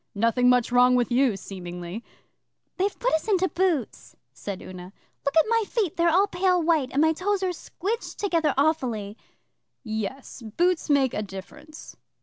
'Nothing much wrong with you, seemingly.' 'They've put us into boots,' said Una. 'Look at my feet they're all pale white, and my toes are squidged together awfully.' 'Yes boots make a difference.